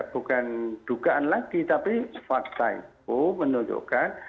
bukan dugaan lagi tapi fakta itu menunjukkan